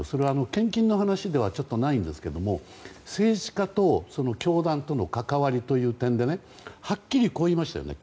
献金の話ではないんですが政治家と教団との関わりという点ではっきりこう言いましたね。